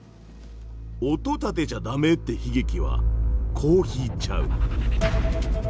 音立てちゃ駄目って悲劇はこう引いちゃう。